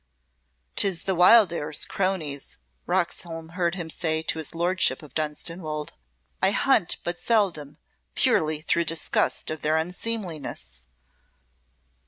"'Tis the Wildairs cronies," Roxholm heard him say to his Lordship of Dunstanwolde. "I hunt but seldom, purely through disgust of their unseemliness."